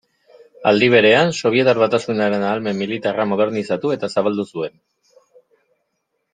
Aldi berean, Sobietar Batasunaren ahalmen militarra modernizatu eta zabaldu zuen.